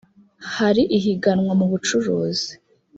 hari ihiganwa mu bucuruzi.